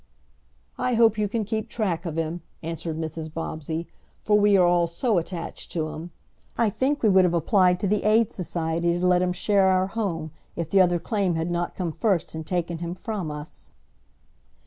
"I hope you can keep track of him," answered Mrs. Bobbsey, "for we are all so attached to him. I think we would have applied to the Aid Society to let him share our home if the other claim had not come first and taken him from us."